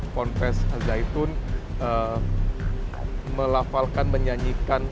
ponpes zaitun melafalkan menyanyikan